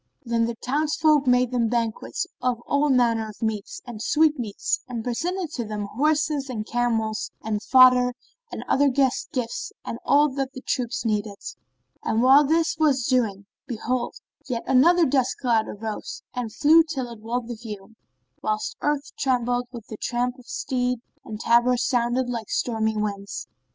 Then the townsfolk made them banquets of all manner of meats and sweetmeats and presented to them horses and camels and fodder and other guest gifts and all that the troops needed. And while this was doing, behold, yet another cloud of dust arose and flew till it walled the view, whilst earth trembled with the tramp of steed and tabors sounded like stormy winds.